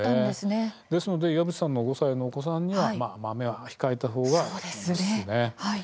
ですので岩渕さんの５歳のお子さんには豆は控えたほうがよろしいですね。